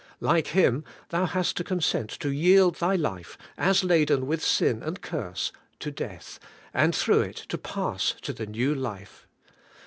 Like Him, thou hast to consent to yield thy life, as laden with sin and curse, to death, and through it to pass to the new life.